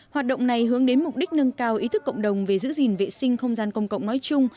hoạt động này hướng đến mục đích nâng cao ý thức cộng đồng về giữ gìn vệ sinh không gian công cộng nói chung